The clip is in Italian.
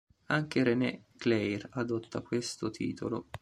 Anche René Clair adotta questo titolo.